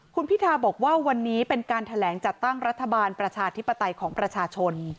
คุณพิธาบอกว่าวันนี้เป็นการแถลงจัดตั้งรัฐบาลประชาธิปไตยของประชาชน